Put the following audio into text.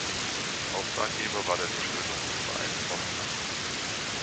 Auftraggeber war der Verschönerungsverein Pforzheim.